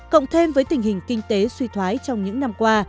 cộng thêm với tình hình kinh tế suy thoái trong những năm qua